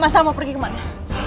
masa mau pergi ke mana